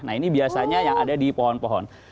nah ini biasanya yang ada di pohon pohon